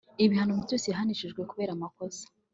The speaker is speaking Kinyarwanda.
ibihano byose yahanishijwe kubera amakosa